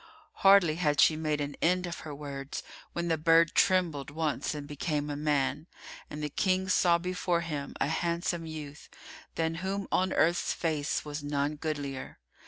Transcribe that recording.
Hardly had she made an end of her words, when the bird trembled once and became a man; and the King saw before him a handsome youth, than whom on earth's face was none goodlier.